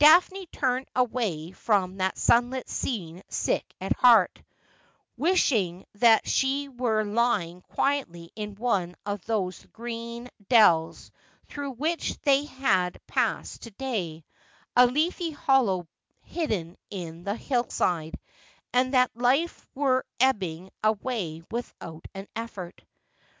Daphne turned away from that sunlit scene sick at heart, wishing that she were lying quietly in one of those green dells through which they had passed to day, a leafy hollow hidden in the hillside, and that life were ebbing away without an effort.